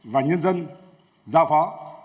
và nhân dân giao phó